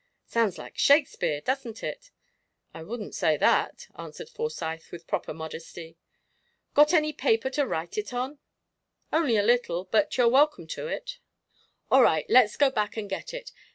"Sounds like Shakespeare, doesn't it?" "I wouldn't say that," answered Forsyth, with proper modesty. "Got any good paper to write it on?" "Only a little, but you're welcome to it." "All right, let's go back and get it.